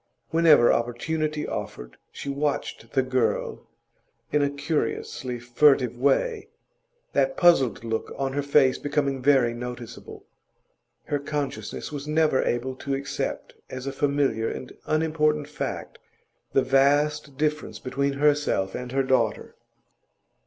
Whenever opportunity offered, she watched the girl in a curiously furtive way, that puzzled look on her face becoming very noticeable. Her consciousness was never able to accept as a familiar and unimportant fact the vast difference between herself and her daughter.